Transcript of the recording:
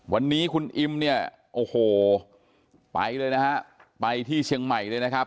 วันนี้คุณอิมเนี่ยโอ้โหไปเลยนะฮะไปที่เชียงใหม่เลยนะครับ